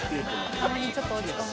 たまにちょっと落ち込む。